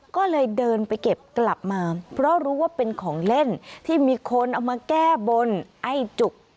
ก็เลยเดินไปเก็บกลับมาเพราะรู้ว่าเป็นของเล่นที่มีคนเอามาแก้บนไอ้จุก